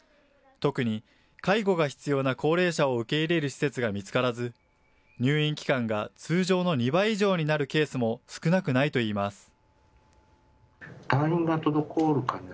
特に、介護が必要な高齢者を受け入れる施設が見つからず、入院期間が通常の２倍以上になるケースも少なくないといいます。